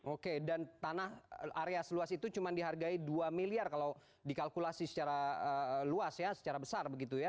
oke dan tanah area seluas itu cuma dihargai dua miliar kalau dikalkulasi secara luas ya secara besar begitu ya